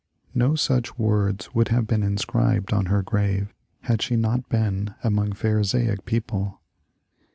No such words would have been inscribed on her grave had she not been among pharisaic people.